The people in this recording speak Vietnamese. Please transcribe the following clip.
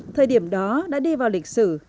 thời điểm đó đã đi vào lịch sử